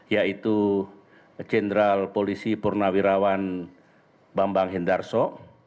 yaitu jenderal polisi purnawirawan bambang hindarso